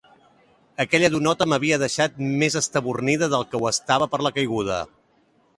Aquella donota m'havia deixat més estabornida del que ho estava per la caiguda.